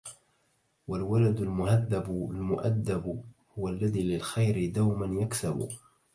والولد المهذبُ المؤدبُ هو الذي للخير دوما يكسبُ